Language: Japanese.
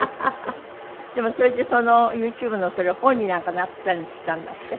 それでそのＹｏｕＴｕｂｅのそれ本になんかなすったりしたんだって？